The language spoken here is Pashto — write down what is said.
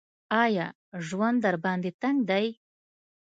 ایا ژوند درباندې تنګ دی ؟